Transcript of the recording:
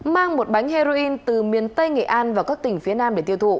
mang một bánh heroin từ miền tây nghệ an vào các tỉnh phía nam để tiêu thụ